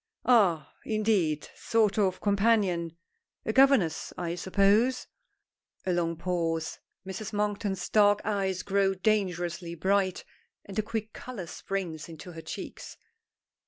"Ah! indeed! Sort of companion a governess, I suppose?" A long pause. Mrs. Monkton's dark eyes grow dangerously bright, and a quick color springs into her cheeks.